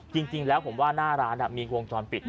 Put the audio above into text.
จริงแล้วผมว่าหน้าร้านมีวงจรปิด